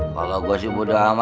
kalo gua sibuk udah lama